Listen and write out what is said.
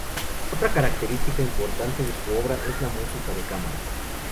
Otra característica importante de su obra es la música de cámara.